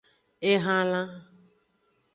Ehalan.